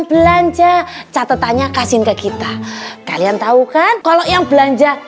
pasti kamu juga kepanasan banget kan di luar